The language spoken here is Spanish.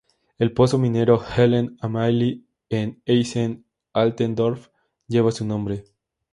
El pozo minero Helene-Amalie en Essen-Altendorf lleva su nombre.